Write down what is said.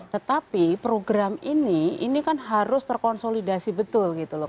tetapi program ini ini kan harus terkonsolidasi betul gitu loh